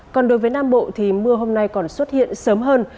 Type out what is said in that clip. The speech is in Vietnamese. còn đối với nam bộ thì mưa hôm nay còn xuất hiện sớm hơn